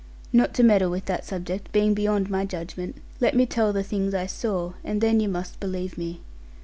Not to meddle with that subject, being beyond my judgment, let me tell the things I saw, and then you must believe me.